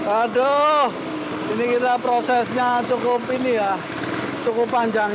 aduh ini kita prosesnya cukup ini ya cukup panjang